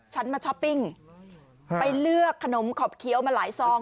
ฉันมาช้อปปิ้งไปเลือกขนมขอบเคี้ยวมาหลายซอง